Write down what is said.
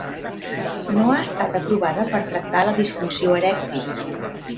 No ha estat aprovada per tractar la disfunció erèctil.